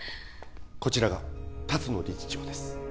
こちらが龍野理事長です